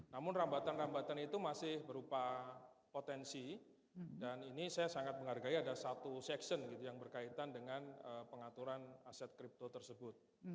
namun rambatan rambatan itu masih berupa potensi dan ini saya sangat menghargai ada satu seksi yang berkaitan dengan pengaturan aset kripto tersebut